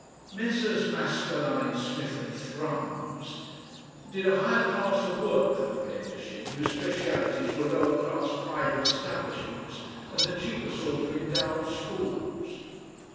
Messrs. Maskelyne, Smith, and Thrums did a higher class of work than Blendershin, whose specialities were lower class private establishments and the cheaper sort of endowed schools.